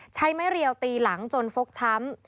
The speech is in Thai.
ใช้ไม้เรียวตีหลังจนฟกช้ำ